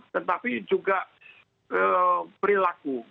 tetapi juga perilaku